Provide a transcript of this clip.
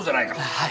はい。